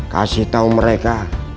kasih tahu mereka